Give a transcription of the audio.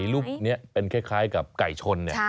รูปไก่เป็นคลิกครัยกับไก่ชน